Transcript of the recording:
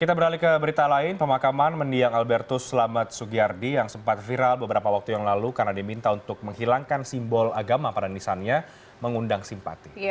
kita beralih ke berita lain pemakaman mendiang albertus selamat sugiyardi yang sempat viral beberapa waktu yang lalu karena diminta untuk menghilangkan simbol agama pada nisannya mengundang simpati